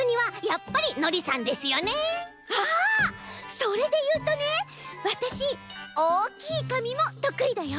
それでいうとねわたしおおきいかみもとくいだよ！